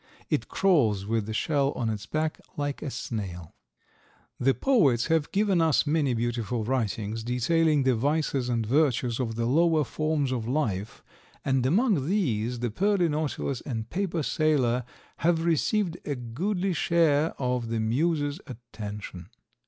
It crawls with the shell on its back, like a snail. The poets have given us many beautiful writings detailing the vices and virtues of the lower forms of life and among these the Pearly Nautilus and Paper Sailor have received a goodly share of the muse's attention.